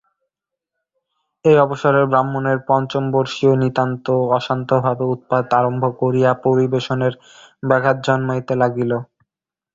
এই অবসরে ব্রাহ্মণের পঞ্চমবর্ষীয় নিতান্ত অশান্ত ভাবে উৎপাত আরম্ভ করিয়া পরিবেশনের ব্যাঘাত জন্মাইতে লাগিল।